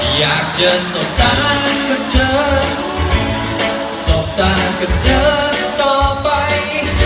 อยากจะสอบตากับเธอสอบตากับเธอต่อไป